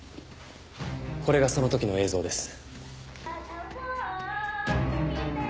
これがその時の映像です。